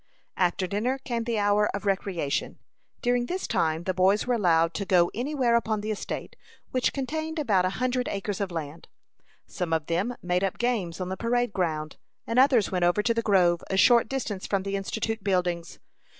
After dinner came the hour of recreation. During this time the boys were allowed to go any where upon the estate, which contained about a hundred acres of land. Some of them made up games on the parade ground, and others went over to the grove, a short distance from the Institute buildings.